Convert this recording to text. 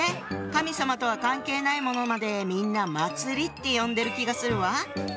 神様とは関係ないものまでみんな祭りって呼んでる気がするわ。